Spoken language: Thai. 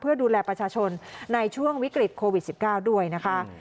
เพื่อดูแลประชาชนในช่วงวิกฤตโควิด๑๙ด้วยนะคะ